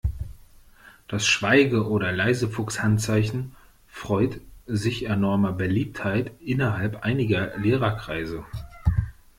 Das Schweige- oder Leisefuchs-Handzeichen freut sich enormer Beliebtheit innerhalb einiger Lehrer-Kreise.